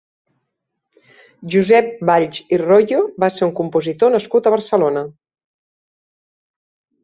Josep Valls i Royo va ser un compositor nascut a Barcelona.